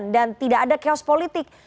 dan tidak ada chaos politik